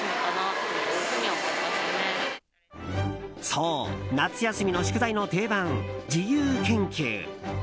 そう、夏休みの宿題の定番自由研究。